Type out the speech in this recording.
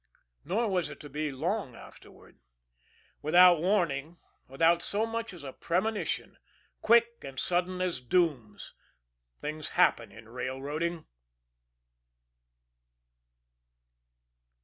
Nor was it to be long afterward without warning, without so much as a premonition, quick and sudden as doom, things happen in railroading.